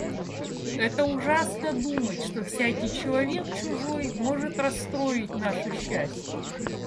Это ужасно думать, что всякий человек чужой может расстроить наше счастье.